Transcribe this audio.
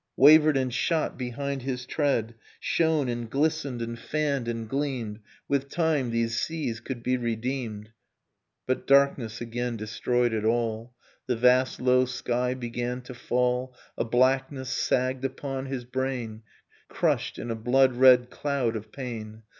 Wavered and shot behind his tread. Shone and glistened and fanned and gleamed: With time, these seas could be redeemed ... Innocence But darkness again destroyed it all, The vast low sky began to fall, A blackness sagged upon his brain, Crushed, in a blood red cloud of pain.